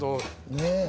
ねえ。